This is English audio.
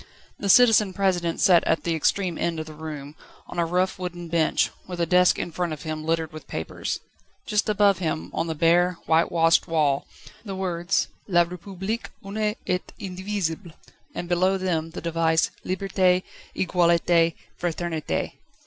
The Citizen President sat at the extreme end of the room, on a rough wooden bench, with a desk in front of him littered with papers. Just above him, on the bare, whitewashed wall, the words: "La République: une et indivisible," and below them the device: "_Liberté, Egalité, Fraternité!